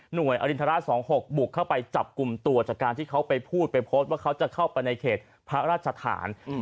อรินทราช๒๖บุกเข้าไปจับกลุ่มตัวจากการที่เขาไปพูดไปโพสต์ว่าเขาจะเข้าไปในเขตพระราชฐาน